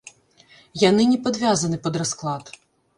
Яны не падвязаны пад расклад.